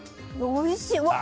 おいしい！